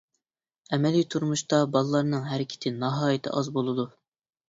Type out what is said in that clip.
ئەمەلىي تۇرمۇشتا، بالىلارنىڭ ھەرىكىتى ناھايىتى ئاز بولىدۇ.